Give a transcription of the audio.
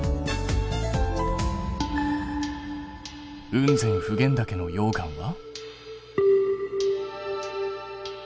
雲仙普賢岳の溶岩は？